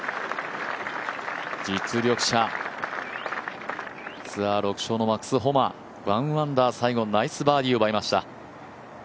実力者、ツアー６勝のマックス・ホマ１アンダー、最後ナイスバーディーを奪いました。